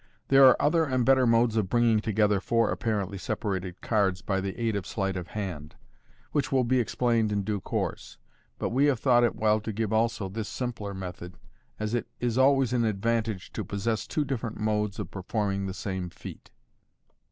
There are other and better modes of bringing together four apparently separated cards by the aid of sleight of hand, which will be explained in due course ; but we have thought it well to give also this simpler method, as it is always an advantage to possess two different modes of per forming the same feat.